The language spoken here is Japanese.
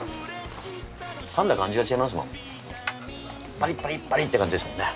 パリッパリッパリッて感じですもんね。